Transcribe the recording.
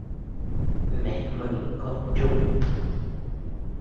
Mẹ mừng con trúng